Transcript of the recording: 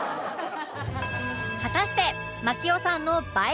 果たして槙尾さんの映え